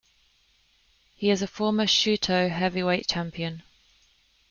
He is a former Shooto Heavyweight Champion.